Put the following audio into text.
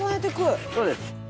そうです。